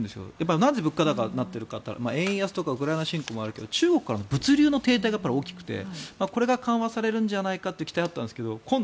なぜ物価高になっているかといったら円安とかウクライナ侵攻もあるけど中国からの物流の停滞が大きくてこれが緩和されるんじゃないかという期待があったんですが今度、